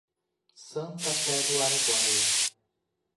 Santa Fé do Araguaia